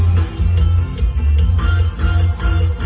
มันเป็นเมื่อไหร่แล้ว